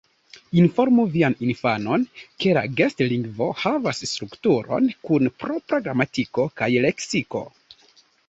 Informu vian infanon, ke la gestlingvo havas strukturon, kun propra gramatiko kaj leksiko.